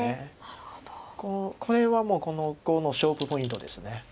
これはこの碁の勝負ポイントです。